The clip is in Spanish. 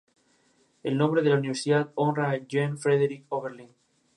En prados de diente y matorrales aclarados.